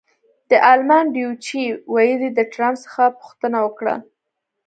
د المان ډویچې وېلې د ټرمپ څخه پوښتنه وکړه.